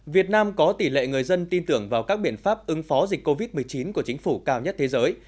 việt nam có tỷ lệ người dân tin tưởng vào các biện pháp ứng phó dịch covid một mươi chín của chính phủ cao nhất thế giới